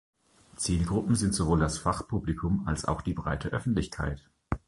Zielgruppen sind sowohl das Fachpublikum als auch die breite Öffentlichkeit.